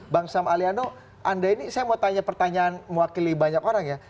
bang sam aliano anda ini saya mau tanya pertanyaan mewakili banyak orang ya